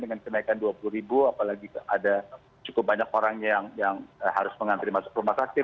dengan kenaikan dua puluh ribu apalagi ada cukup banyak orang yang harus mengantri masuk rumah sakit